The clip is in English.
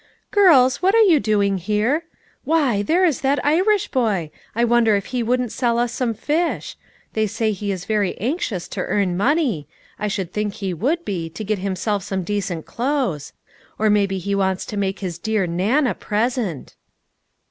" Girls, what are you doing here? Why, there is that Irish boy ; I wonder if he wouldn't sell us some fish ? They say he is very anxious to earn money ; I should think he would be, to get himself some decent clothes. Or maybe he wants to make his dear Nan a present."